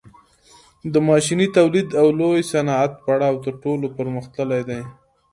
د ماشیني تولید او لوی صنعت پړاو تر ټولو پرمختللی دی